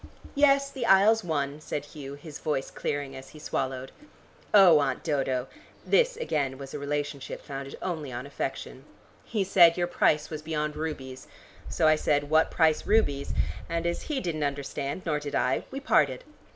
"Yes, the Isles won," said Hugh, his voice clearing as he swallowed. "Oh, Aunt Dodo" this again was a relationship founded only on affection "he said your price was beyond rubies. So I said 'What price rubies?' and as he didn't understand nor did I, we parted.